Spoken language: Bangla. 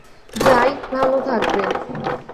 যাই, ভালো থাকবেন।